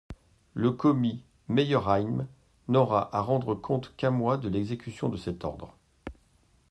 Le commis Meyerheim n'aura à rendre compte qu'à moi de l'exécution de cet ordre.